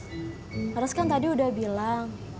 terus kan tadi udah bilang